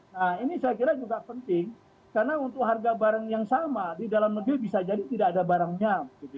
nah ini saya kira juga penting karena untuk harga barang yang sama di dalam negeri bisa jadi tidak ada barangnya